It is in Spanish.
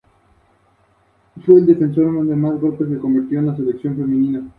Gran parte de la población viene del Sur de Brasil.